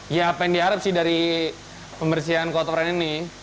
ya apa yang diharapkan sih dari pembersihan kotoran ini